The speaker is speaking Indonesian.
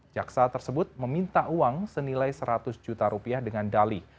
jaksa tersebut meminta uang senilai seratus juta rupiah dengan dali